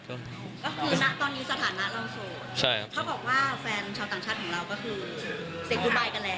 ก็คือตอนนี้สถานะเราโสด